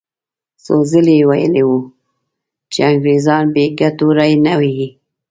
څو ځلې یې ویلي وو چې انګریزان بې ګټو ری نه وهي.